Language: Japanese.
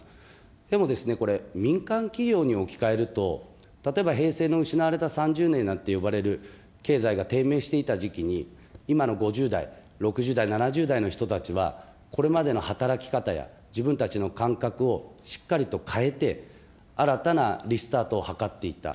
でもですね、これ、民間企業に置き換えると、例えば平成の失われた３０年なんて呼ばれる、経済が低迷していた時期に、今の５０代、６０代、７０代の人たちは、これまでの働き方や、自分たちの感覚をしっかりと変えて、新たなリスタートを図っていった。